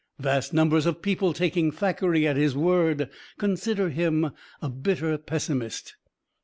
Vast numbers of people taking Thackeray at his word consider him a bitter pessimist.